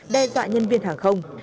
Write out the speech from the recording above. đe dọa nhân viên hàng không